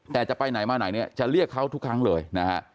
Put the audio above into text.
แต่จะไปไหนมาไหนเนี่ยจะเรียกเขาทุกครั้งเลยนะฮะ